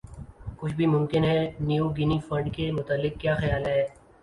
کچھ بھِی ممکن ہے نیو گِنی فنڈ کے متعلق کِیا خیال ہے